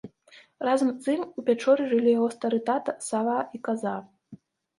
Разам з ім у пячоры жылі яго стары тата, сава і каза.